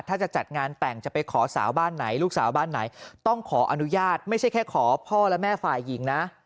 ถ้าจะจัดงานแต่งจะไปขอสาวบ้านไหนลูกสาวบ้านไหนต้องขออนุญาตไม่ใช่แค่ขอพ่อและแม่ฝ่ายหญิงนะ